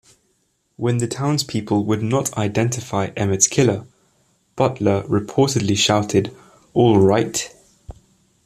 When the townspeople would not identify Emmett's killer, Butler reportedly shouted: All right!